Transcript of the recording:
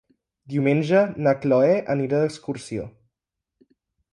Diumenge na Cloè anirà d'excursió.